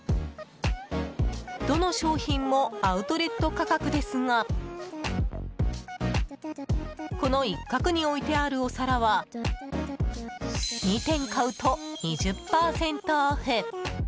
どの商品もアウトレット価格ですがこの一角に置いてあるお皿は２点買うと２０％オフ！